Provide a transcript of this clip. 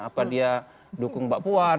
apa dia dukung mbak puan